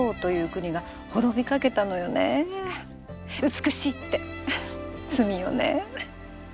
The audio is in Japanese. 美しいって罪よね。